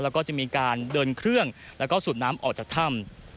แล้วก็จะมีการเดินเครื่องแล้วก็สูบน้ำออกจากถ้ำ